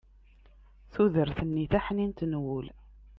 tudert-nni taḥnint n wul